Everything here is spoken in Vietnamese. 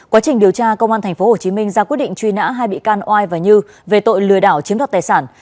quá trình điều tra công an tp hồ chí minh ra quyết định truy nã hai bị can oai và như về tội lừa đảo chiếm đọc tài sản